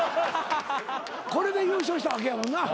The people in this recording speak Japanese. これで優勝したわけやもんな。